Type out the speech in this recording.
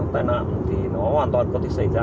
tai nạn thì nó hoàn toàn có thể xảy ra